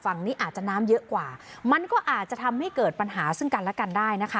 ฝั่งนี้อาจจะน้ำเยอะกว่ามันก็อาจจะทำให้เกิดปัญหาซึ่งกันและกันได้นะคะ